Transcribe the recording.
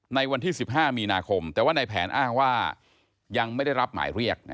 ในวันที่๑๕มีนาคมแต่ว่าในแผนอ้างว่ายังไม่ได้รับหมายเรียก